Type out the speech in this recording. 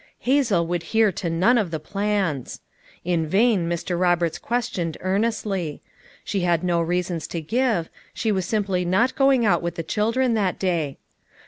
Hazel would hear to none of the plans. In vain Mr. Roberts questioned earnestly; she had no reasons to give, she was simply not going out with the children that day.